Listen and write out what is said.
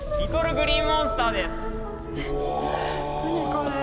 これ。